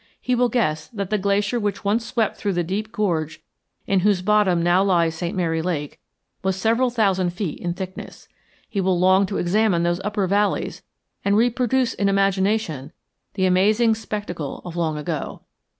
He will guess that the glacier which once swept through the deep gorge in whose bottom now lies St. Mary Lake was several thousand feet in thickness. He will long to examine those upper valleys and reproduce in imagination the amazing spectacle of long ago.